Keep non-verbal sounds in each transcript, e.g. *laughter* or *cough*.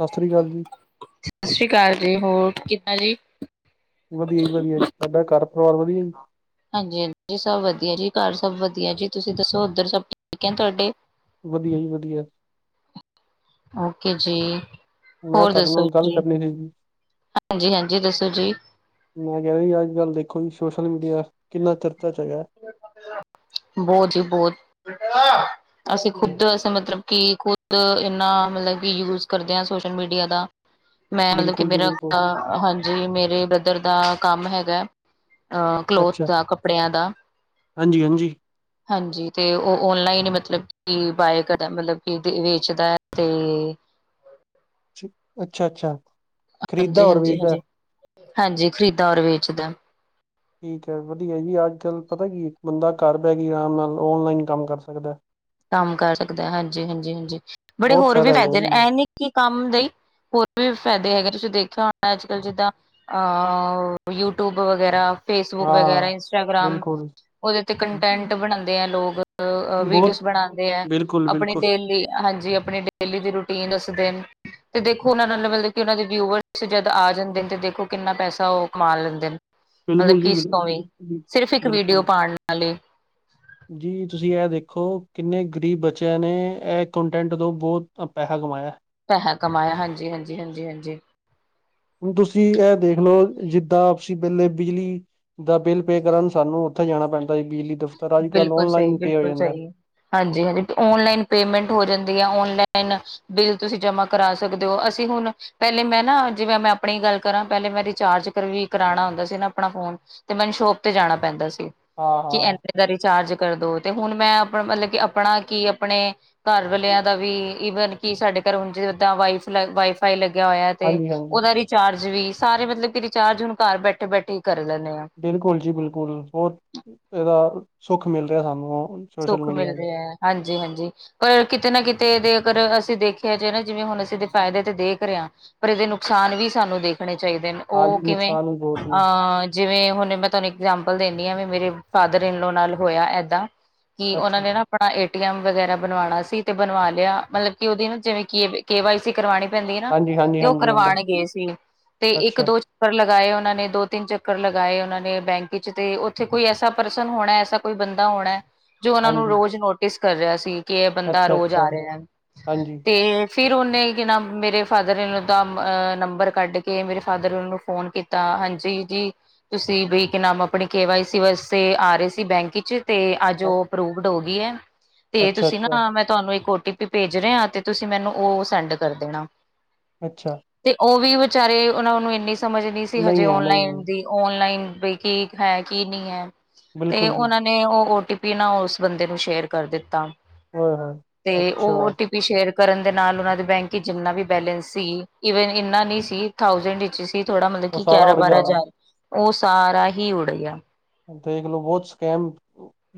ਸਤਿ ਸ਼੍ਰੀ ਅਕਾਲ ਜੀ ਸਤਿ ਸ਼੍ਰੀ ਅਕਾਲ ਜੀ। ਹੋਰ, ਕਿੱਦਾਂ ਜੀ? ਵਧੀਆ ਹੀ ਵਧੀਆ, ਤ੍ਹਾਡਾ ਘਰ-ਪਰਿਵਾਰ ਵਧੀਆ ਜੀ? ਹਾਂਜੀ, ਹਾਂਜੀ, ਸਭ ਵਧੀਆ ਜੀ, ਘਰ ਸਭ ਵਧੀਆ ਜੀ। ਤੁਸੀਂ ਦੱਸੋ, ਉੱਧਰ ਸਭ ਠੀਕ ਹੈ ਤੁਹਾਡੇ? ਵਧੀਆ ਜੀ ਵਧੀਆ। ਓਕੇ-ਜੀ। ਮੈਂ ਹੋਰ ਤੁਹਾਡੇ ਦੱਸੋ ਨਾਲ ਗੱਲ ਜੀ, ਕਰਨੀ ਸੀ ਜੀ। ਹਾਂਜੀ-ਹਾਂਜੀ ਦੱਸੋ ਜੀ? ਮੈਂ ਕਿਆ ਜੀ, ਅੱਜ-ਕੱਲ ਦੇਖੋ ਜੀ ਸੋਸ਼ਲ ਮੀਡੀਆ, ਕਿੰਨਾ ਚਰਚੇ'ਚ ਹੈਗਾ। ਬਹੁਤ ਜੀ ਬਹੁਤ। *unintelligible* ਅਸੀਂ ਖੁੱਦ ਅਸੀਂ ਮਤਲਬ ਕਿ ਖੁੱਦ ਇਨਾ ਮਤਲਬ ਕਿ ਯੂਜ ਕਰਦੇ ਹਾਂ ਸੋਸ਼ਲ ਮੀਡੀਆ ਦਾ *inaudible* ਮੈਂ ਮਤਲਬ ਕਿ ਜੀ ਮੇਰਾ ਬਿਲਕੁਲ, ਹਾਂਜੀ, ਮੇਰੇ ਬ੍ਰਦਰ ਦਾ ਕੰਮ ਹੈਗਾ ਅਹ ਕਲੋਥ ਦਾ ਕੱਪੜਿਆਂ ਦਾ। ਹਾਂਜੀ-ਹਾਂਜੀ। ਹਾਂਜੀ ਤੇ ਉਹ ਔਨਲਾਈਨ ਹੀ ਮਤਲਬ ਕੀ ਬਾਏ ਕਰਿਆ ਮਤਲਬ ਕਿ ਵੇਚਦਾ ਐ ਤੇ ਅੱਛਾ-ਅੱਛਾ। ਹਾਂਜੀ-ਹਾਂਜੀ, ਹਾਂਜੀ-ਹਾਂਜੀ ਖਰੀਦਾ ਔਰ ਵੇਚਦਾ। ਠੀਕ ਹੈ ਵਧੀਆ ਜੀ ਅੱਜ ਕੱਲ ਪਤਾ ਕੀ ਬੰਦਾ ਘਰ ਬਹਿ ਕੇ ਆਰਾਮ ਨਾਲ ਔਨਲਾਈਨ ਕੰਮ ਕਰ ਸਕਦਾ। ਕੰਮ ਕਰ ਸਕਦਾ ਹਾਂਜੀ-ਹਾਂਜੀ-ਹਾਂਜੀ ਬੜੇ ਬਹੁਤ ਹੋਰ ਵੀ ਫਾਇਦਾ ਹੈਗਾ ਫ਼ਾਇਦੇ ਨੇ ਜੀ, ਐ ਨੀ ਕਿ ਕੰਮ ਲਈ ਹੋਰ ਵੀ ਫਾਇਦੇ ਹੈਗੇ ਤੁਸੀਂ ਦੇਖਿਆ ਹੋਣਾ ਅੱਜ-ਕੱਲ੍ਹ ਜਿੱਦਾਂ। ਆਹੋ ਯੂਟਊਬ ਵਗੈਰਾ ਫੇਸਬੁਕ ਵਗੈਰਾ ਹਾਂ ਇੰਸਟਾਗ੍ਰਾਮ ਬਿਲਕੁਲ। ਓਦੇ ਤੇ ਕੰਟੈਂਟ ਬਣਾਂਦੇ ਆ ਲੋਕ ਵੀਡੀਓ ਬਹੁਤ ਬਣਾਂਦੇ ਹੈ ਬਿਲਕੁਲ ਆਪਣੀ ਬਿਲਕੁਲ, ਡੇਲੀ ਹਾਂਜੀ ਆਪਣੀ ਡੇਲੀ ਦੀ ਰੂਟੀਨ ਉਸ ਦਿਨ ਤੇ ਦੇਖੋ ਉਹਨਾਂ ਦਾ ਮਤਲਬ ਕਿ ਉਹਨਾਂ ਦੇ ਵਿਊਵਰਸ ਜਦ ਆ ਜਾਂਦੇ ਨੇ ਤੇ ਦੇਖੋ ਕਿੰਨਾ ਪੈਸਾ ਉਹ ਕਮਾ ਲੈਂਦੇ ਨੇ ਮਤਲਬ ਬਿਲਕੁਲ ਕਿ ਜੀ ਇਸ ਤੋਂ ਵੀ ਬਿਲਕੁਲ, ਸਿਰਫ ਇੱਕ ਬਿਲਕੁਲ। ਵੀਡੀਓ ਪਾਣ ਨਾਲੇ *inaudible* ਜੀ ਤੁਸੀਂ ਇਹ ਦੇਖੋ ਕਿੰਨੇ ਗਰੀਬ ਬੱਚਿਆਂ ਨੇ ਇਹ ਕੰਟੈਂਟ ਤੋਂ ਬਹੁਤ ਪੈਸਾ ਕਮਾਇਆ। ਪੈਸਾ ਕਮਾਇਆ ਹਾਂਜੀ ਹਾਂਜੀ, ਹਾਂਜੀ ਹਾਂਜੀ। ਹੁਣ ਤੁਸੀਂ ਐ ਦੇਖਲੋ ਜਿੱਦਾਂ ਤੁਸੀਂ ਪਹਿਲੇ ਬਿਜਲੀ ਦਾ ਬਿੱਲ ਪੇ ਕਰਨ ਸਾਨੂੰ ਉੱਥੇ ਜਾਣਾ ਪੈਂਦਾ ਸੀ ਬਿਜਲੀ ਦਫ ਪਰ ਅੱਜ-ਕੱਲ੍ਹ ਔਨਲਾਈਨ ਪੇ ਹੋ ਜਾਂਦਾ। ਹਾਂਜੀ-ਹਾਂਜੀ, ਔਨਲਾਈਨ ਪੇਮੈਂਟ ਹੋ ਜਾਂਦੀ ਆ ਔਨਲਾਈਨ ਬਿੱਲ ਤੁਸੀਂ ਜਮਾਂ ਕਰਾ ਸਕਦੇ ਹੋ ਅਸੀਂ ਹੁਣ ਪਹਿਲੇ ਮੈਂ ਨਾ ਜਿਵੇਂ ਮੈਂ ਆਪਣੀ ਗੱਲ ਕਰਾਂ ਪਹਿਲੇ ਮੈਂ ਰਿਚਾਰਜ ਵੀ ਕਰਾਉਣਾ ਹੁੰਦਾ ਸੀ ਨਾ ਆਪਣਾ ਫੋਨ ਤੇ ਮੈਨੂੰ ਸ਼ੋਪ ਤੇ ਜਾਣਾ ਪੈਂਦਾ ਸੀ। ਹਾਂ- ਹਾਂ। ਅਹਿਦਾ ਰਿਚਾਰਜ ਕਰਦੋ ਤੇ ਹੁਣ ਮੈਂ ਆਪਣਾ ਮਤਲਬ ਕਿ ਆਪਣਾ ਕੀ ਆਪਣੇ ਘਰ ਵਾਲਿਆਂ ਦਾ ਵੀ ਈਵਨ ਕਿ ਸਾਡੇ ਘਰ ਹੁਣ ਜਿੱਦਾਂ ਵਾਈਫ ਲ ਵਾਈਫ ਵਾਈ ਫਾਈ ਲੱਗਿਆ ਹੋਇਆ ਤੇ ਹਾਂਜੀ ਹਾਂਜੀ ਉਹਦਾ ਰੀ ਰਿਚਾਰਜ ਵੀ ਸਾਰੇ ਮਤਲਬ ਕਿ ਰਿਚਾਰਜ ਹੁਣ ਘਰ ਬੈਠੇ ਬੈਠੇ ਹੀ ਕਰ ਲੈਣੇ ਆ। ਬਿਲਕੁਲ ਜੀ ਬਿਲਕੁਲ ਬਹੁਤ ਇਹਦਾ ਸੁੱਖ ਮਿਲ ਰਿਹਾ ਸਾਨੂੰ। ਸੋਸ਼ਲ ਸੁੱਖ ਮੀਡੀਆ ਮਿਲ ਨੂੰ ਰਿਹਾ ਹਾਂਜੀ ਹਾਂਜੀ। ਪਰ ਕਿਤੇ ਨਾ ਕਿਤੇ ਇਹਦੇ ਅਗਰ ਅਸੀਂ ਦੇਖਿਆ ਜਾਏ ਨਾ ਜਿਵੇਂ ਹੁਣ ਅਸੀਂ ਇਹਦੇ ਫਾਇਦੇ ਤੇ ਦੇਖ ਰਹੇ ਆ। ਪਰ ਇਹਦੇ ਨੁਕਸਾਨ ਵੀ ਸਾਨੂੰ ਦੇਖਣੇ ਚਾਹੀਦੇ ਨੇ ਆਜ ਉਹ ਕਿਵੇਂ ਨੁਕਸਾਨ ਵੀ ਬਹੁਤ ਨੇ ਅਹ ਜਿਵੇਂ ਹੁਣ ਮੈਂ ਤੁਹਾਨੂੰ ਇਗਜਾਮਪਲ ਦਿੰਦੀ ਆ ਵੀ ਮੇਰੇ ਫਾਦਰ ਇਨਲੋ ਨਾਲ ਹੋਇਆ ਏਦਾਂ। ਕਿ ਉਹਨਾ ਅੱਛਾ ਨੇ ਨਾ ਆਪਣਾ ਏਟੀਐਮ ਵਗੈਰਾ ਬਣਵਾਣਾ ਸੀ ਤੇ ਬਣਵਾ ਲਿਆ ਮਤਲਬ ਕਿ ਉਹਦੀ ਨਾ ਜਿਵੇਂ ਕਿ ਕੇ ਵਾਈ ਸੀ ਕਰਵਾਣੀ ਪੈਂਦੀ ਐ ਨਾ ਹਾਂਜੀ ਹਾਂਜੀ ਤੇ ਉਹ ਹਾਂਜੀ ਹਾਂਜੀ ਕਰਵਾਣ ਗਏ ਸੀ ਤੇ ਇੱਕ ਅੱਛਾ ਦੋ ਚੱਕਰ ਲਗਾਏ ਉਹਨਾਂ ਨੇ ਦੋ ਤਿੰਨ ਚੱਕਰ ਲਗਾਏ ਉਹਨਾਂ ਨੇ ਬੈਂਕ ਚ ਤੇ ਉੱਥੇ ਕੋਈ ਐਸਾ ਪਰਸਨ ਹੋਣਾ ਐਸਾ ਕੋਈ ਬੰਦਾ ਹੋਣਾ ਜੋ ਉਹਨਾਂ ਨੂੰ ਹਾਂਜੀ ਰੋਜ਼ ਨੋਟਿਸ ਕਰ ਰਿਹਾ ਸੀ। ਕੇ ਬੰਦਾ ਅੱਛਾ ਰੋਜ਼ ਅੱਛਾ ਆ ਰਿਹਾ ਹਾਂਜੀ ਤੇ ਫਿਰ ਉਹਨੇ ਕਿ ਨਾ ਮੇਰੇ ਫਾਦਰ ਇਨ ਲਾਅ ਦਾ ਨੰਬਰ ਕੱਢ ਕੇ ਮੇਰੇ ਫਾਦਰ ਸਨ ਲਾਅ ਨੂੰ ਫੋਨ ਕੀਤਾ। ਤਾਂ ਹਾਂਜੀ ਜੀ। ਤੁਸੀਂ ਬਈ ਇੱਕ ਨਾਮ ਆਪਣੇ ਕੇ ਵਾਈ ਸੀ ਵਾਸਤੇ ਆ ਰਹੇ ਸੀ ਬੈਂਕ ਵਿੱਚ ਤੇ ਅੱਜ ਅੱਛਾ ਉਹ ਅਪਰੂਵਡ ਹੋ ਗਈ ਐ ਤੇ ਤੁਸੀਂ ਅੱਛਾ ਨਾ ਤੁਹਾਨੂੰ ਇੱਕ ਓ ਟੀ ਪੀ ਭੇਜ ਰੇ ਆ ਤੇ ਤੁਸੀਂ ਮੈਨੂੰ ਉਹ ਸੈਂਡ ਕਰ ਦੇਣਾ। ਅੱਛਾ। ਤੇ ਉਹ ਵੀ ਵਿਚਾਰੇ ਉਹਨਾਂ ਨੂੰ ਇੰਨੀ ਸਮਝ ਨਹੀਂ ਸੀ ਹਜੇ ਹੈ ਓਨਲਾਈਨ ਨਹੀਂ ਦੀ ਓਨਲਾਈਨ ਵੀ ਕੀ, ਹੈ ਕੀ ਨਹੀਂ ਹੈ, ਤੇ ਬਿਲਕੁਲ ਜੀ ਉਹਨਾਂ ਨੇ ਉਹ ਟੀਪੀ ਨਾ ਓਸ ਬੰਦੇ ਨੂੰ ਸ਼ੇਅਰ ਕਰ ਦਿੱਤਾ, ਹੋਏ ਹੋਏ ਤੇ ਅੱਛਾ ਓਟੀਪ ਵੀ ਸ਼ੇਅਰ ਕਰਨ ਦੇ ਨਾਲ ਉਹਨਾਂ ਦੇ ਬੈਂਕ ਵਿਚ ਜਿੰਨਾ ਵੀ ਬੈਲੇੈਂਸ ਸੀ, ਈਵੇਨ ਇੰਨਾ ਨਹੀਂ ਸੀ, ਥਾਊਜੈਂਡ ਵਿੱਚ ਥੋੜਾ ਮਤਲਬ ਉਹ ਕਿ, ਸਾਰਾ ਉੜ ਗਿਆ ਗਿਆਰਾਂ-ਬਾਰਾਂ ਹੋਣਾ ਹਜ਼ਾਰ ਉਹ ਸਾਰਾ ਹੀ ਉੜ ਗਿਆ। ਦੇਖਲੋ ਬਹੁਤ ਸਕੈਮ,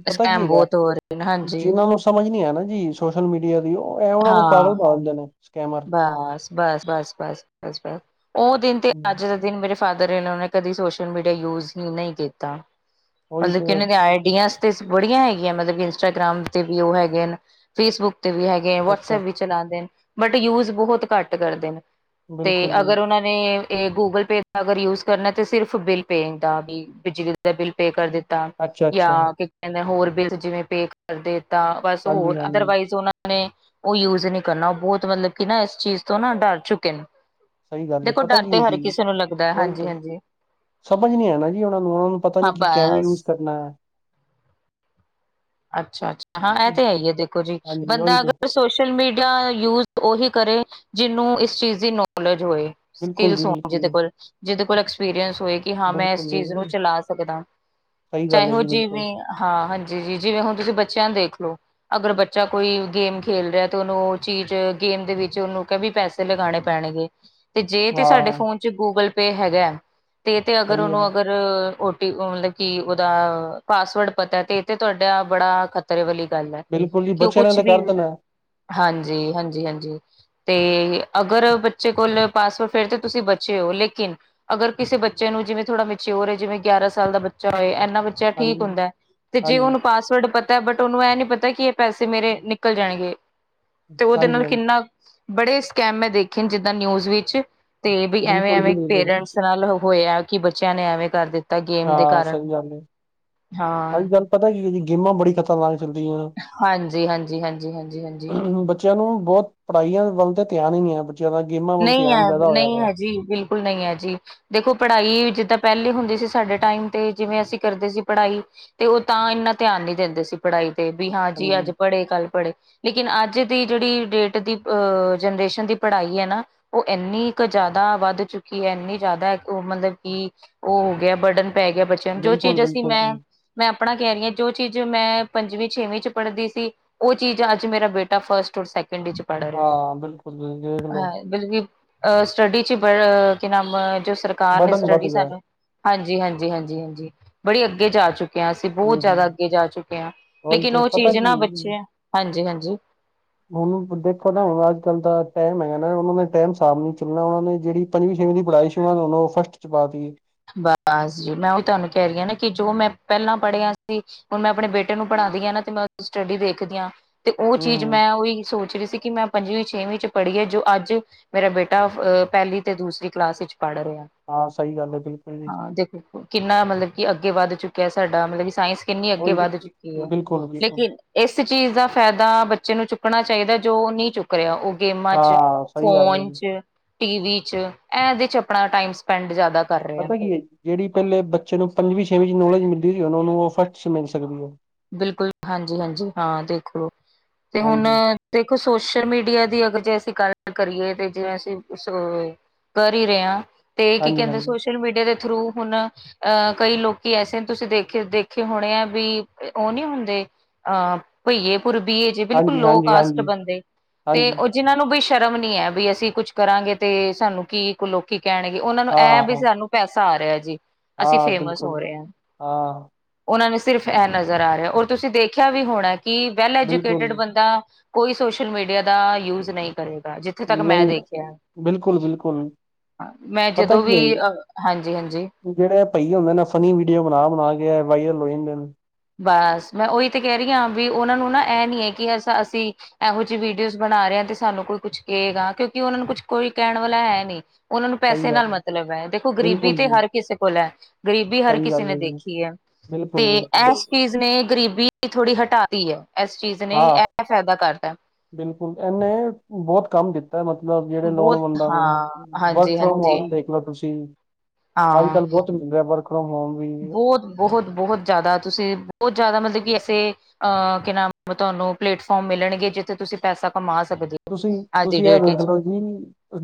ਪਤਾ ਕੀ ਸਕੈਮ ਹੈਗਾ? ਬਹੁਤ ਹੋ ਰਹੇ ਨੇ ਹਾਂਜੀ ਜਿਨਾਂ ਨੂੰ ਸਮਝ ਨੀ ਆ ਨਾ ਜੀ ਸੋਸ਼ਲ ਮੀਡੀਆ ਦੀ, ਐ, ਉਹਨਾਂ ਨੂੰ ਪਾਗਲ ਹਾਂ ਸਮਝਦੇ ਨੇ, ਸਕੈਮਰ। ਬਸ- ਬਸ, ਬਸ, ਬਸ, ਬਸ, ਬਸ ਉਹ ਦਿਨ ਤੇ ਹੂੰ ਅੱਜ ਦਿਨ ਮੇਰੇ ਫਾਦਰ ਈਨੋ ਨੇ, ਕਦੇ ਸੋਸ਼ਲ-ਮੀਡੀਆ ਯੂਜ ਹੀ ਨਹੀਂ ਕੀਤਾ। ਉਹੀ ਮਤਲਬ ਤੇ ਕਿ ਓਨਾਂ ਦੀ ਆਈਡੀਆਂ ਤੇ ਬੜੀਆਂ ਹੈਗੀਆਂ ਮਤਲਬ ਕਿ, ਇੰਸਟਾਗ੍ਰਾਮ ਤੇ ਵੀ ਉਹ ਹੈਗੇਨ, ਫੇਸਬੁੱਕ ਤੇ ਵੀ ਹੈਗੇ, ਅੱਛਾ ਵਟਸਐਪ ਅੱਛਾ ਵਿੱਚ ਚਲਾਂਦੇਨ ਬਟ ਯੂਜ ਬਹੁਤ ਘੱਟ ਕਰਦੇ ਨੇ, ਤੇ ਬਿਲਕੁਲ ਜੀ ਅਗਰ ਉਹ ਇਹ ਗੂਗਲ ਪੇ ਦਾ ਅਗਰ ਯੂਜ ਕਰਨਾ ਤੇ, ਸਿਰਫ ਬਿੱਲ ਪੇ ਦਾ ਵੀ, ਬਿਜਲੀ ਦਾ ਬਿੱਲ ਪੇ ਕਰ ਦਿੱ ਅੱਛਾ ਅੱਛਾ ਯਾਂ ਕੀ ਕਹਿੰਦੇ ਹੋਰ ਬੀਲਜ ਜਿਵੇਂ ਪੇ ਕਰ ਦਿਤਾ, ਬਸ ਹਾਂਜੀ ਹੋਰ ਹਾਂਜੀ ਅਦਰਵਾਈਜ਼ ਉਹ ਨੇ ਉਹ ਯੂਜ ਨਹੀਂ ਕਰਨਾ, ਉਹ ਬਹੁਤ ਮਤਲਬ ਕਿ ਨਾ, ਇਸ ਚੀਜ਼ ਤੋਂ ਨਾ ਡਰ ਚੁੱਕੇ ਨੇ। ਸਹੀ ਗੱਲ ਹੈ ਦੇਖੋ ਪਤਾ ਡਰ ਕੀ ਤੇ ਹੁੰਦੀ ਹਰ ਜੀ ਕਿਸੇ ਨੂੰ ਲੱਗਦੈ, ਉਹੀ ਤੇ ਹਾਂਜੀ-ਹਾਂਜੀ। ਸਮਝ ਨੀ ਹੈ ਨਾ ਜੀ ਉਹਨਾਂ ਨੂੰ, ਉਹਨਾਂ ਨੂੰ ਪਤਾ ਨੀ ਹਾਂ ਕਿ ਕੈਂਵੇਂ ਬਸ ਯੂਜ ਕਰਨਾ। ਅੱਛਾ-ਅੱਛਾ, ਹਾਂ ਐ ਤੇ ਹੈ ਹੀ ਏ, ਦੇਖੋ ਜੀ, ਹਾਂਜੀ ਉਹੀ ਬੰਦਾ ਤੇ ਅਗਰ ਸੋਸ਼ ਸ਼ੋਸ਼ਲ ਮੀਡੀਆ ਯੂਜ ਓਹੀ ਕਰੇ, ਜਿਹਨੂੰ ਇਸ ਚੀਜ਼ ਦੀ ਨੌਲੇਜ ਹੋਏ। ਬਿਲਕੁਲ ਜੀ ਸਕੀਲਸ ਹੋਣ ਬਿਲਕੁਲ ਜਿਹਦੇ ਜੀ ਕੋਲ, ਜਿਹਦੇ ਕੋਲ ਐਕਸਪੀਰੀਅਂਸ ਹੋਏ, ਕਿ ਹਾਂ ਮੈਂ ਬਿਲਕੁਲ ਐਸ ਚੀਜ਼ ਨੂੰ ਬਿਲਕੁਲ ਚਲਾ ਸਕਦਾ। ਸਹੀ ਗੱਲ ਹੈ ਚਾਹੇ ਉਹ ਜੀ, ਬਿਲਕੁਲ। ਜਿਵੇਂ ਹਾਂ, ਹਾਂਜੀ ਜੀ, ਜਿਵੇਂ ਹੁਣ ਤੁਸੀਂ ਬੱਚਿਆਂ ਨੂੰ ਦੇਖਲੋ ਅਗਰ ਬੱਚਾ ਕੋਈ ਗੇਮ ਖੇਲ ਰਿਹਾ, ਤੇ ਉਹਨੂੰ ਉਹ ਚੀਜ਼ ਗੇਮ ਦੇ ਵਿੱਚ ਉਹਨੂੰ ਕਹਿ ਵੀ ਪੈਸ ਸੇ ਲਗਾਣੇ ਪੈਣਗੇ। ਤੇ ਜੇ ਤੇ ਸਾਡੇ ਹਾਂ ਫੋਨ'ਚ ਗੂਗਲ ਪੇ ਹੈਗਾ, ਤੇ ਤੇ ਅਗਰ ਸਹੀ ਉਹਨੂੰ ਗੱਲ ਅਗਰ ਓਟੀ--ਮਤਲਬ ਕਿ ਉਹਦਾ ਪਾਸਵਰਡ ਪਤਾ ਤੇ ਇਹ ਤੇ ਤੁਹਾਡਾ ਬੜਾ ਖ ਤਰੇ ਵਾਲੀ ਗੱਲ ਹੈ, ਬਿਲਕੁਲ ਜੀ ਕਿ ਉਹ ਬੱਚਿਆਂ ਨੇ ਕੁਛ ਤਾਂ ਵੀ ਕਰ ਦੇਣਾ ਹਾਂਜੀ, ਹਾਂਜੀ-ਹਾਂਜੀ। ਤੇ ਅਗਰ ਬੱਚੇ ਕੋਲ ਪਾਸਵਰ ਫਿਰ ਤਾਂ ਤੁਸੀਂ ਬਚੇ ਹੋ, ਲੇਕਿਨ ਅਗਰ ਕਿਸੇ ਬੱਚੇ ਨੂੰ ਜਿਵੇਂ ਥੋੜਾ ਮੀਚਿਓਰ ਏ, ਜਿਵੇਂ ਗਿਆਰਾਂ ਸਾਲ ਦਾ ਬੱਚਾ ਹੋਏ ਐਨਾ ਬੱਚਾ ਠੀਕ ਹਾਂਜੀ ਹੁੰਦੈ। ਜੀ ਹਾਂਜੀ, ਉਹਨੂੰ ਪਾਸਵਰਡ ਪਤਾ, ਬਟ ਉਹਨੂੰ ਐ ਨੀ ਪਤਾ ਕਿ ਇਹ ਪੈਸੇ ਮੇਰੇ ਨਿਕਲ ਜਾਣਗੇ। ਤੇ ਉਹਦੇ ਨਾਲ ਹਾਂਜੀ-ਹਾਂਜੀ, ਕਿੰਨਾ--ਬੜੇ ਸਕੈਮ ਮੈਂ ਦੇਖੇਨ ਜਿੱਦਾਂ ਨਿਊਜ਼ ਵਿੱਚ। ਤੇ ਵੀ ਬਿਲਕੁਲ ਜੀ ਐਵੇਂ-ਐਵੇਂ ਬਿਲਕੁਲ। ਪੇਰੈਂਟਸ ਨਾਲ ਹੋਇਆ, ਕਿ ਬੱਚਿਆਂ ਨੇ ਐਵੇਂ ਕਰ ਦਿੱਤਾ। ਗੇਮ ਦੇ ਹਾਂ, ਕਾਰਨ। ਸਹੀ ਗੱਲ ਏ, ਹਾਂ, ਅਜ-ਕੱਲ ਪਤਾ ਕੀ ਸੀ, ਗੇਮਾਂ ਬੜੀ ਖ਼ਤਰਨਾਕ ਚੱਲਦੀਆਂ। ਹਾਂਜੀ-ਹਾਂਜੀ, ਹਾਂਜੀ, ਹਾਂਜੀ, ਹਾਂਜੀ। ਚਿਆਂ ਨੂੰ ਬਹੁਤ ਪੜ੍ਹਾਈਆਂ ਵੱਲ ਤੇ ਧਿਆਨ ਹੀ ਨੀ ਹੈ। ਜ਼ਿਆਦਾ ਗੇਮਾਂ ਵੱਲ ਨਹੀਂ ਧਿਆਨ ਆਂ, ਜ਼ਿਆਦਾ ਹੋਇਆ ਨਹੀਂ ਦਾ। ਹੈ ਜੀ, ਬਿਲਕੁਲ, ਨਹੀਂ ਹੈ ਜੀ। ਦੇਖੋ ਪੜ੍ਹਾਈ, ਜਿੱਦਾਂ ਪਹਿਲੇ ਹੁੰਦੀ ਸੀ ਸਾਡੇ ਟਾਈਮ ਤੇ, ਜਿਵੇਂ ਅਸੀਂ ਕਰਦੇ ਸੀ ਪੜ੍ਹਾਈ। ਤੇ ਉਹ ਤਾਂ ਇੰਨਾ ਧਿਆਨ ਨਹੀਂ ਦਿੰਦੇ ਸੀ ਪੜ੍ਹਾਈ ਤੇ, ਵੀ ਹਾਂ, ਜੀ ਅੱਜ ਹਾਂਜੀ, ਪੜੇ, ਕੱਲ‌ ਪੜ੍ਹੇ ਲੇਕੀਨ ਅੱਜ ਦੀ ਜਿਹੜੀ ਡੇਟ ਦੀ, ਅਂ ਜਨਰੇਸ਼ਨ ਦੀ ਪੜ੍ਹਾਈ ਹੈ ਨਾ ਉਹ ਇੰਨੀ ਕ ਜ਼ਿਆਦਾ ਵੱਧ ਚੁੱਕੀ ਹੈ, ਇੰਨੀ ਜ਼ਿਆਦਾ ਉਹ ਮਤਲਬ ਕੀ ਉਹ ਹੋ ਗਿਆ ਬਰਡਨ ਪੈ ਗਿਆ ਬੱਚਿਆਂ ਨੂੰ ਜੋ ਚੀਜ਼ ਅਸੀਂ ਬਿਲਕੁਲ-ਬਿਲਕੁਲ ਮੈਂ ਜੀ, ਮੈਂ ਆਪਣਾ ਕਹਿ ਰਹੀ ਹਾਂ ਜੋ ਚੀਜ਼ ਮੈਂ ਪੰਜਵੀਂ ਛੇਵੀਂ ਚ ਪੜ੍ਹਦੀ ਸੀ। ਉਹ ਚੀਜ਼ ਅੱਜ ਮੇਰਾ ਬੇਟਾ ਫਸਟ ਔਰ ਸੈਕਿੰਡ ਵਿੱਚ ਪੜ੍ਹ ਰਿਹਾ। ਹਾਂ ਬਿਲਕੁਲ ਜੀ, ਦੇਖ ਲੋ। ਬਕ ਅ ਸਟੱਡੀ ਚ ਬ ਕੀ ਨਾਮ ਜੋ ਸਰਕਾਰ ਨੇ ਬਰਡਨ ਵੱਧ ਸਟੱਡੀ ਗਿਆ, ਸਾਨੂੰ ਹਾਂਜੀ ਹਾਂਜੀ, ਹਾਂਜੀ ਹਾਂਜੀ, ਬੜੀ ਅੱਗੇ ਜਾ ਚੁੱਕੀ। ਕੇ ਅਸੀਂ ਬਹੁਤ ਹੂੰ-ਹੂੰ, ਜ਼ਿਆਦਾ ਅੱਗੇ ਜਾ ਚੁੱਕੇ ਆ ਉਹੀ ਲੇਕਿਨ ਤੇ ਉਹ ਪਤਾ ਚੀਜ਼ ਕੀ ਨਾ ਹੈ ਜੀ, ਬੱਚੇ ਹਾਂਜੀ ਹਾਂਜੀ। ਹੁਣ ਦੇਖੋ ਨਾ, ਹੁਣ ਅੱਜ-ਕੱਲ ਦਾ ਟਾਈਮ ਹੈਗਾ ਨਾ, ਉਹਨਾਂ ਨੇ ਟਾਈਮ ਸਾਰ ਨਹੀਂ ਚੁੱਲਣਾ, ਉਹਨਾਂ ਨੇ ਜਿਹੜੀ ਪੰਜਵੀ, ਛੇਵੀ ਦੀ ਪੜਾਈ ਸ਼ ਫਸਟ'ਚ ਪਾਤੀ। ਬਸ ਜੀ, ਮੈਂ ਉਹੀ ਤੁਹਾਨੂੰ ਕਹਿ ਰਹੀ ਹਾਂ ਨਾ ਕੀ, ਜੋ ਮੈਂ ਪਹਿਲਾਂ ਪੜ੍ਹਿਆ ਸੀ ਹੁਣ ਮੈਂ ਆਪਣੇ ਬੇਟੇ ਨੂੰ ਪੜ੍ਹਾਦੀ ਆ ਨਾ ਤੇ ਮੈਂ ਸਟੱਡੀ ਦੇਖਦੀ ਆ ਤੇ ਉਹ ਚੀਜ਼ ਹੂੰ-ਹੂੰ, ਮੈਂ ਉਹੀ ਸੋਚ ਰਹੀ ਸੀ। ਕਿ ਮੈਂ ਪੰਜਵੀਂ ਛੇਵੀਂ ਚ ਪੜ੍ਹੀਏ ਜੋ ਅੱਜ ਮੇਰਾ ਬੇਟਾ ਅਹ ਪਹਿਲੀ ਤੇ ਦੂਸਰੀ ਕਲਾਸ ਵਿੱਚ ਪੜ੍ਹ ਰਿਹਾ। ਆਹੋ, ਸਹੀ ਗੱਲ ਐ ਜੀ। ਹਾਂ, ਦੇਖੋ ਕਿੰਨਾ ਮਤਲਬ ਕਿ ਅੱਗੇ ਵੱਧ ਚੁੱਕਿਆ ਸਾਡਾ ਮਤਲਬ ਕਿ ਸਾਇੰਸ ਕਿੰਨੀ ਅੱਗੇ ਵੱਧ ਉਹੀ ਚੁੱਕੀ ਐ ਬਿਲਕੁਲ-ਬਿਲਕੁਲ। ਲੇਕਿਨ ਇਸ ਚੀਜ਼ ਦਾ ਫਾਇਦਾ ਬੱਚੇ ਨੂੰ ਚੁੱਕਣਾ ਚਾਹੀਦਾ ਜੋ ਨਹੀਂ ਚੁੱਕ ਰਿਆ ਉਹ ਗੇਮਾਂ ਚ, ਹਾਂ ਸਹੀ ਗੱਲ ਹੈ ਫੋਨ ਜੀ ਚ, ਟੀ ਵੀ ਚ ਇਹਦੇ ਚ ਆਪਣਾ ਟਾਈਮ ਸਪੈਡ ਜ਼ਿਆਦਾ ਕਰ ਰਿਹਾ ਪਤਾ ਕੀ ਐ ਜਿਹੜੀ ਪਹਿਲੇ ਬੱਚੇ ਨੂੰ ਪੰਜਵੀਂ ਛੇਵੀਂ ਚ ਨੌਲੇਜ ਮਿਲਦੀ ਸੀ ਉਹ ਨੂੰ ਉਹ ਫਸਟ ਚ ਮਿਲ ਸਕਦੀ ਐ। ਬਿਲਕੁਲ ਹਾਂਜੀ ਹਾਂਜੀ, ਹਾਂ ਦੇਖ ਲੋ ਤੇ ਹੁਣ ਹਾਂਜੀ ਦੇਖੋ ਸੋਸ਼ਲ ਮੀਡੀਆ ਦੀ ਅਗਰ ਜੇ ਅਸੀਂ ਗੱਲ ਕਰੀਏ ਤੇ ਜੇ ਅਸੀਂ ਕਰ ਹੀ ਰਹੇ ਆ ਤੇ ਕੀ ਹਾਂਜੀ ਕਹਿੰਦੇ ਸੋ ਸੋਸ਼ਲ ਮੀਡੀਆ ਦੇ ਥਰੂ ਹੁਣ ਅਹ ਕਈ ਲੋਕੀ ਐਸੇ ਨੇ ਤੁਸੀਂ ਦੇਖੇ ਦੇਖੇ ਹੋਣੇ ਆ ਵੀ ਉਹ ਨੀ ਹੁੰਦੇ ਅਹ ਭਈਏ ਪੁਰ ਬੀਏ ਬਿਲਕੁਲ ਹਾਂਜੀ ਹਾਂਜੀ ਲੋ ਹਾਂਜੀ ਕਾਸਟ ਹਾਂਜੀ ਬੰਦੇ ਤੇ ਹਾਂਜੀ ਉਹ ਜਿਹਨਾਂ ਨੂੰ ਬਈ ਸ਼ਰਮ ਨੀ ਐ ਵੀ ਅਸੀਂ ਕੁਛ ਕਰਾਂਗੇ ਤੇ ਸਾਨੂੰ ਕੀ ਲੋਕੀ ਕਹਿਣਗੇ ਉਹਨਾਂ ਨੂੰ ਹਾਂ ਇਹ ਹਾਂ ਵੀ ਹਾਂ ਸਾਨੂੰ ਪੈਸਾ ਆ ਰਿਹਾ ਜੀ। ਅਸੀਂ ਹਾਂ ਫੇਮਸ ਬਿਲਕੁਲ ਹੋ ਰਹੇ ਹਾਂ। ਹਾਂ ਉਹਨਾਂ ਨੂੰ ਸਿਰਫ ਏ ਨਜ਼ਰ ਆ ਰਿਹਾ ਔਰ ਤੁਸੀਂ ਦੇਖਿਆ ਵੀ ਹੋਣਾ ਕਿ ਵੈਲ ਬਿਲਕੁਲ ਐਜੂਕੇਟਿਡ ਬੰਦਾ। ਕੋਈ ਸੋਸ਼ਲ ਮੀਡੀਆ ਦਾ ਯੂਜ ਨਹੀਂ ਕਰੇਗਾ ਜ ਨਹੀਂ, ਬਿਲਕੁਲ ਬਿਲਕੁਲ। ਮੈਂ ਪਤਾ ਜਦੋਂ ਕੀ ਵੀ ਹੈ ਅ ਜੀ ਹਾਂਜੀ ਹਾਂਜੀ। ਜਿਹੜੇ ਭਈਏ ਹੁੰਦੇ ਨੇ ਫਨੀ ਵੀਡੀਓ ਬਣਾ ਬਣਾ ਕੇ ਵਾਇਰਲ ਹੋ ਜਾਂਦੇ ਬਸ ਮੈਂ ਉਹੀ ਤਾਂ ਕਹਿ ਰਹੀ ਹਾਂ ਵੀ ਉਹਨਾਂ ਨੂੰ ਨਾ ਇਹ ਨੀ ਐ ਕਿ ਅ ਅਸੀਂ ਇਹੋ ਜਿਹੀ ਵੀਡੀਓਜ਼ ਬਣਾ ਰਹੇ ਤੇ ਸਾਨੂੰ ਕੋਈ ਕੁਛ ਕਹੇਗਾ ਕਿਉਂਕਿ ਉਹਨਾਂ ਨੂੰ ਕੁਛ ਕੋਈ ਕਹਿਣ ਵਾਲਾ ਹੈ ਨਹੀਂ ਉਹਨਾਂ ਨੂੰ ਸਹੀ ਪੈਸੇ ਗੱਲ ਨਾਲ ਮਤਲਬ ਹੈ ਦੇਖੋ ਗਰੀਬੀ ਬਿਲਕੁਲ ਤੇ ਜੀ ਹਰ ਕਿਸੇ ਕੋਲ ਐ। ਗ਼ਰੀਬੀ ਹਰ ਸਹੀ ਕਿਸੀ ਗੱਲ ਨੇ ਹੈ ਜੀ ਦੇਖੀ ਐ। ਬਿਲਕੁਲ ਬਿਲਕੁਲ। ਚੀਜ਼ ਨੇ ਗਰੀਬੀ ਥੋੜੀ ਹਟਾ ਤੀ ਐ ਇਸ ਚੀਜ਼ ਨੇ ਹਾਂ ਇਹ ਫਾਇਦਾ ਕਰਤਾ। ਬਿਲਕੁਲ ਇਹਨੇ ਬਹੁਤ ਕੰਮ ਦਿੱਤੇ। ਮਤਲਬ ਜਿਹੜੇ ਲੋਨ ਬਹੁਤ ਬਣਦਾ ਪਿਆ ਹਾਂ ਵਰਕ ਹਾਂਜੀ ਫਰੋਮ ਹਾਂਜੀ ਹੋਮ ਦੇਖ ਲਓ ਤੁਸੀਂ। ਅੱਜ ਹਾਂ ਕੱਲ੍ਹ ਬਹੁਤ ਮਿਲ ਰਿਹਾ ਵਰਕ ਫਰੋਮ ਹੋਮ ਵੀ। ਬਹੁਤ ਬਹੁਤ ਬਹੁਤ ਜ਼ਿਆਦਾ ਤੁਸੀਂ ਬਹੁਤ ਜ਼ਿਆਦਾ ਮਤਲਬ ਕਿ ਐਸੇ ਅ ਕਿ ਨਾਮ ਤੁਹਾਨੂੰ ਪਲੇਟਫਾਰਮ ਮਿਲਣਗੇ ਜਿੱਥੇ ਤੁਸੀਂ ਪੈਸਾ ਕਮਾ ਸਕਦੇ ਓ। ਤੁਸੀਂ ਤੁਸੀਂ ਇਹ ਦੇਖ ਲਓ।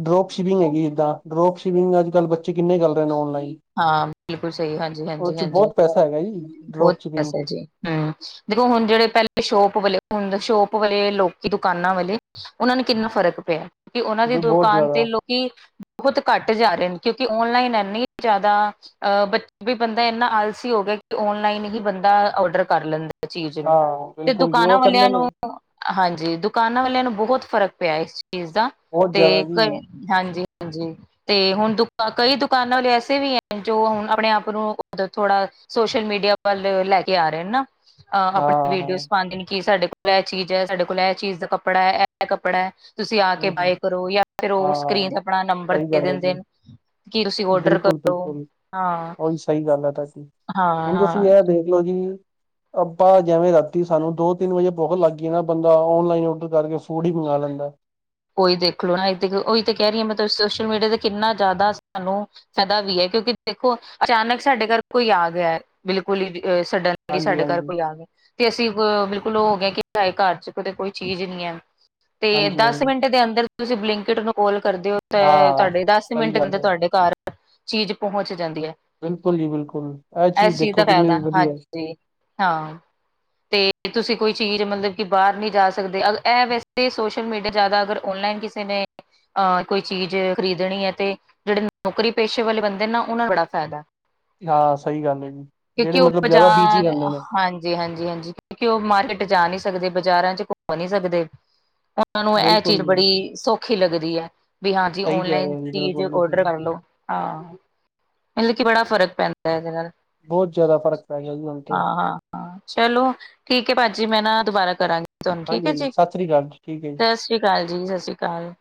ਡਰੋਪ ਸ਼ਿਪਿੰਗ ਹੈਗੀ ਜਿੱਦਾਂ ਡਰੋਪ ਸ਼ਿਪਿੰਗ ਅੱਜ ਕੱਲ੍ਹ ਬੱਚੇ ਕਿੰਨੇ ਕਰੱਲ ਰਹੇ ਨੇ ਔਨਲਾਈਨ ਹਾਂ, ਬਿਲਕੁਲ ਸਹੀ, ਹਾਂਜੀ ਉਹ ਹਾਂਜੀ ਚ ਹਾਂਜੀ ਬਹੁਤ ਪੈਸਾ ਹੈਗਾ ਜੀ ਬਹੁਤ ਡਰੋਪ ਸ਼ਿਪਿੰਗ ਪੈਸਾ ਐ ਜੀ। ਹੂੰ, ਦੇਖੋ ਹੁਣ ਜਿਹੜੇ ਪਹਿਲੇ ਸ਼ੋਪ ਵਾਲੇ ਹੁਣ ਸ਼ੋਪ ਵਾਲੇ ਲੋਕੀ ਦੁਕਾਨਾਂ ਵਾਲੇ ਓਨਾਂ ਨੂੰ ਕਿੰਨਾ ਫ਼ਰਕ ਪਿਆ। ਕਿਉਂਕਿ ਉਹਨਾਂ ਦੀ ਬਹੁਤ ਦੁਕਾਨ ਤੇ ਜ਼ਿਆਦਾ ਲੋਕੀ ਬਹੁਤ ਘੱਟ ਜਾ ਰਹੇ ਨੇ ਕਿਉਂਕਿ ਔਨਲਾਈਨ ਇਨੀ ਜ਼ਿਆਦਾ। ਅ ਬ ਵੀ ਬੰਦਾ ਇਨਾ ਆਲਸੀ ਹੋ ਗਿਆ ਕਿ ਓਨਲਾਈਨ ਹੀ ਬੰਦਾ ਔਰਡਰ ਕਰ ਲੈਂਦਾ। ਚੀਜ਼ ਨੂੰ ਹਾਂ ਤੇ ਬਿਲਕੁਲ ਜੀ ਦੁਕਾਨਾਂ ਉਹ ਵਾਲਿਆਂ ਕਹਿੰਦੇ ਨੇ ਨੂੰ ਹਾਂਜੀ ਦੁਕਾਨਾਂ ਵਾਲਿਆਂ ਨੂੰ ਬਹੁਤ ਫ਼ਰਕ ਪਿਆ ਇਸ ਚੀਜ਼ ਦਾ ਬਹੁਤ ਤੇ ਜ਼ਿਆਦਾ ਜੀ ਹਾਂਜੀ ਹਾਂਜੀ ਤੇ ਹੁਣ ਦੁ ਕਈ ਦੁਕਾਨਾਂ ਲਿਆ ੇ ਵੀ ਹੈ ਜੋ ਹੁਣ ਆਪਣੇ ਆਪ ਨੂੰ ਥੋੜਾ ਸੋਸ਼ਲ ਮੀਡੀਆ ਵੱਲ ਲੈ ਕੇ ਆ ਰਹੇ ਹਨ ਨਾ ਅਹ ਹਾਂ ਆਪਣੇ ਹਾਂ ਵੀਡੀਓਜ਼ ਪਾਂਦੇ ਨੇ ਕੀ ਸਾਡੇ ਕੋਲ ਇਹ ਚੀਜ਼ ਹੈ ਸਾਡੇ ਕੋਲ ਇਹ ਚੀਜ਼ ਦਾ ਕੱਪੜਾ ਹੈ ਇਹ ਕੱਪੜਾ ਹੈ ਤੁਸੀਂ ਆ ਕੇ ਹੂੰ ਹੂੰ ਬਾਏ ਕਰੋ ਜਾਂ ਫਿਰ ਉਹ ਸਕਰੀਨ ਹਾਂ ਤੇ ਆਪਣਾ ਨੰਬਰ ਸਹੀ ਦੇ ਗੱਲ ਹੈ ਜੀ ਦਿੰਦੇ ਨੇ ਕੀ ਤੁਸੀਂ ਔਡਰ ਕਰੋ ਬਿਲਕੁਲ ਹਾਂ ਹੋਹੀ ਸਹੀ ਗੱਲ ਹੈ ਤਾਂਕ ਹਾਂ ਹੁਣ ਤੁਸੀਂ ਹਾਂ ਇਹ ਦੇਖਲੋ ਜੀ ਆਪਾਂ ਜਿਵੇਂ ਰਾਤੀ ਸਾਨੂੰ ਦੋ ਤਿੰਨ ਵਜੇ ਭੁੱਖਤ ਲੱਗਗੀਈ ਨਾ ਬੰਦਾ ਔਨਲਾਈਨ ਔਡਰ ਕਰਕੇ ਫੂਡ ਹੀ ਮੰਗ ਲੈਂਦਾ ਉਹੀ ਦੇਖ ਲੋ ਨਾ ਉਹੀ ਤਾਂ ਕਹਿ ਰਹੀ ਹਾਂ ਮੈਂਲ ਸੋਸ਼ਲ ਮੀਡੀਆ ਤੇ ਕਿੰਨਾ ਜ਼ਿਆਦਾ ਸਾਨੂੰ ਸਦਾ ਵੀ ਹੈ ਕਿਉਂਕਿ ਦੇਖੋ ਅਚਾਨਕ ਸਾਡੇ ਘਰ ਕੋਈ ਆ ਗਿਆ ਬਿਲਕੁਲ ਹੀ ਅ ਸਾਡਨ ਜਿਹੀ ਹਾਂਜੀ ਸਾਡੇ ਘਰ ਹਾਂਜੀ ਕੋਈ ਆ ਗ ਤੇ ਅਸੀਂ ਬਿਲਕੁਲ ਉਹ ਹੋ ਗਿਆ ਕਿ ਸਾਡੇ ਘਰ ਚ ਕਿਤੇ ਕੋਈ ਚੀਜ਼ ਨਹੀਂੀ ਹੈ ਤੇ ਹਾਂਜੀ ਦਸ ਹਾਂਜੀ ਮਿੰਟ ਦੇ ਅੰਦਰ ਤੁਸੀਂ ਬਲਿੰਕਟ ਨੂੰ ਕਲ ਕਰਦੇ ਹੋ ਤੇ ਹਾਂ ਤੁਹਾਡੇ ਦਸ ਸਹੀ ਮਿੰਟ ਗੱਲ ਦੇੰਦਰ ਹੈ ਤੁਹਾਡੇ ਘਰ ਚੀਜ਼ ਪਹੁੰਚ ਜਾਂਦੀ ਹੈ ਬਿਲਕੁਲ ਜੀ ਬਿਲਕੁਲ ਇਹ ਚੀਜ਼ ਦੇਖੋ ਕਿੰਨੇ ਵੀ ਵਧੀਆ ਜੀ ਹਾਂ ਤੇ ਤੁਸੀਂ ਕੋਈ ਚੀਜ਼ ਮਤਲਬ ਕਿ ਬਾਹਰ ਨਹੀਂ ਜਾ ਸਕਦੇ ਇਹ ਵੈਸੇ ਸੋਸ਼ਲ ਮੀਡੀਆ ਜ਼ਿਆਦਾ ਅਗਰ ਔਨਲਾਈਨ ਕਿਸੇ ਨੇ ਅਹ ਕੋਈ ਚੀਜ਼ ਖਰੀਦਣੀ ਹੈ ਤੇ ਜਿਹੜੇ ਨੌਕਰੀ ਪੇਸ਼ੇ ਵਾਲੇ ਬੰਦੇ ਨਾ ਉਹਨਾਂ ਨੂੰ ਬੜਾ ਫਾਇਦਾ ਹਾਂ ਸਹੀ ਗੱਲ ਹੈ ਜੀ ਜਿਹੜੇ ਕਿਉਂਕਿ ਉਹ ਮਤਲਬ ਜ਼ਿਆਦਾ ਬਿਜੀ ਬਾਜ਼ਾਰ ਰਹਿੰਦੇ ਨੇ ਹਾਂਜੀ ਜੀ ਹਾਂਜੀ ਹਾਂਜੀ ਕਿਉਂਕਿ ਉਹ ਮਾਰਕੀਟ ਜਾ ਨਹੀਂ ਸਕਦੇ ਬਾਜ਼ਾਰਾਂ ਚ ਘੁੰਮ ਨਹੀਂ ਸਕਦੇ ਤੁੂੰ ਇਹ ਬਿਲਕੁਲ ਚੀਜ਼ ਜੀ ਬੜੀ ਸੌਖੀ ਲੱਗਦੀ ਹੈ ਵੀ ਹਾਂਜੀ ਸਹੀ ਕਹਿ ਰਹੇ ਓਨਲਾਈਨ ਹੋ ਜੀ ਚੀਜ਼ ਬਿਲਕੁਲ ਓਡਰ ਤੁਸੀਂ ਕਰ ਲੋ ਆਹ ਮਤਲਬ ਕਿ ਬੜਾ ਫ਼ਰਕ ਪੈਂਦਾ ਇਹਦੇ ਨਾਲ ਬਹੁਤ ਜਿਆਦਾ ਫ਼ਰਕ ਪੈ ਗਿਆ ਉਹ ਘੰ ਤੇ ਉਹ ਹਾਂ ਹਾਂ ਹਾਂ ਚਲੋ ਠੀਕ ਹੈ ਭਾਜੀ ਮੈਂ ਨਾ ਦੁਬਾਰਾ ਕਰਾਂਗੀ ਹਾਂਜੀਾਂਜੀ ਸਤਿ੍ਰ ਅਕਾਲ ਜ ਠੀਕ ਹੈ ਜੀ ਸਤਿ੍ਰੀ ਅਾਲੀ ਸਤਿ ਸ਼੍ਰੀ ਅਕਾਲ